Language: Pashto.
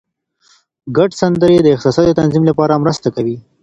ګډ سندرې د احساساتي تنظیم لپاره مرسته کوي.